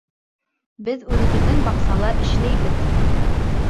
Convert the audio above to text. Беҙ үҙебеҙҙең баҡсала эшләйбеҙ